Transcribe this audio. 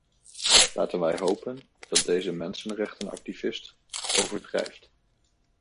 Laten wij hopen dat deze mensenrechtenactivist overdrijft.